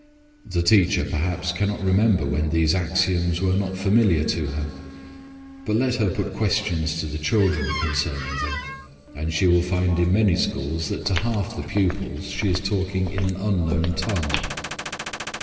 The teacher, perhaps, cannot remember when these axioms were not familiar to her; but let her put questions to the children concerning them, and she will find in many schools that to half the pupils she is talking in an unknown tongue.